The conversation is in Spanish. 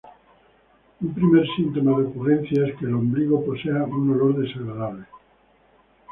Un primer síntoma de ocurrencia es que el ombligo posea un olor desagradable.